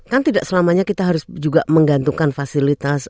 kan tidak selamanya kita harus juga menggantungkan fasilitas